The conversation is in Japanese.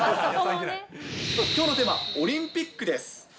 きょうのテーマはオリンピックです。